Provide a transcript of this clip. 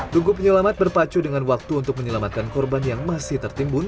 tugu penyelamat berpacu dengan waktu untuk menyelamatkan korban yang masih tertimbun